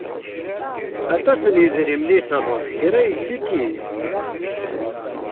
Aṭas n yedrimen i iṣerref kra yessikil.